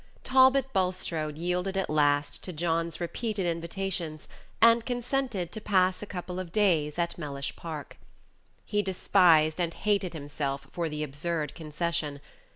Talbot Bulstrode yielded at last to John's repeated invitations, and consented to pass a couple of days at Mellish Park. He despised and hated himself for the absurd concession.